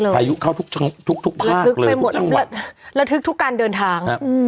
ภายุเข้าทุกที่เลยระทึกไปหมดระทึกทุกการเดินทาง